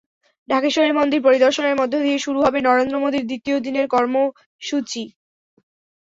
ঢাকেশ্বরী মন্দির পরিদর্শনের মধ্য দিয়ে শুরু হবে নরেন্দ্র মোদির দ্বিতীয় দিনের কার্যসূচি।